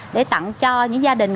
để tặng cho những gia đình